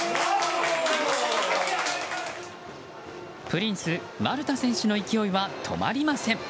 プリンス丸田選手の勢いは止まりません。